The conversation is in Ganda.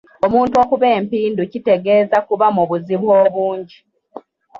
Omuntu okuba empindu kitegeeza kuba mu buzibu obungi.